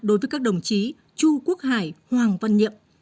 đối với các đồng chí chu quốc hải hoàng văn nhiệm